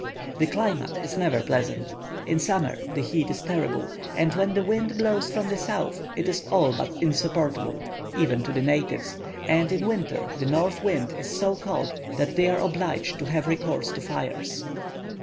The climate is never pleasant; in summer the heat is terrible, and when the wind blows from the south, it is all but insupportable, even to the natives, and in winter the north wind is so cold that they are obliged to have recourse to fires.